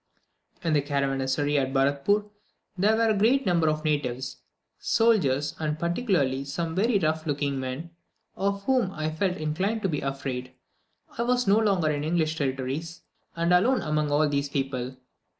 In the caravansary at Baratpoor there were a great number of natives, soldiers, and particularly some very rough looking men, of whom I felt inclined to be afraid: I was no longer in the English territories, and alone among all these people.